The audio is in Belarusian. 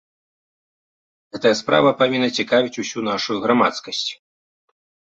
Гэтая справа павінна цікавіць усю нашу грамадскасць.